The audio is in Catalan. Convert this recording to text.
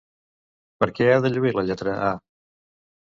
Per què ha de lluir la lletra A?